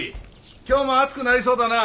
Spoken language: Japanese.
今日も暑くなりそうだな。